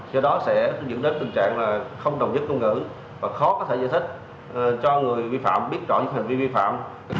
do đó sẽ dẫn đến tình trạng là không đồng nhất ngôn ngữ và khó có thể giải thích cho người vi phạm biết rõ những hành vi vi phạm